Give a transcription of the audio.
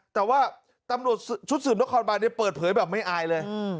แต่ว่าตำรวจชุดสืบเนื้อคอนบาร์นเนี่ยเปิดเผยแบบไม่อายเลย